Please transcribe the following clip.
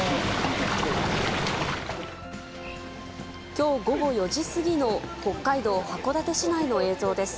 きょう午後４時過ぎの北海道函館市内の映像です。